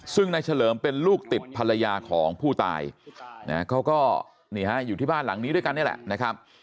ซึ่งนายเฉลิมเป็นลูกติดภรรยาของผู้ตายเขาก็อยู่ที่บ้านหลังนี้ด้วยกันนี่แหละนะครับ